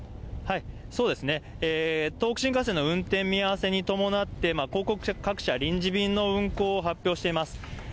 そうですね、東北新幹線の運転見合わせに伴って、航空各社、臨時便の運航を発表しています。